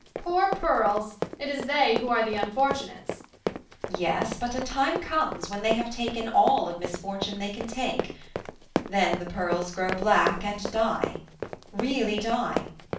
"Poor pearls! It is they who are the unfortunates." "Yes, but a time comes when they have taken all of misfortune they can take; then the pearls grow black and die, really die.